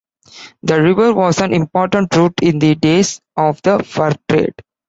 The river was an important route in the days of the fur trade.